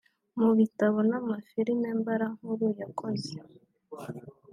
Mu bitabo n’amafilimi mbarankuru yakoze